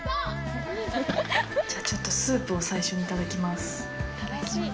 じゃあちょっとスープを最初にいただきます。